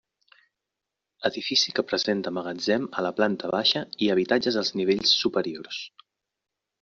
Edifici que presenta magatzem a la planta baixa i habitatges als nivells superiors.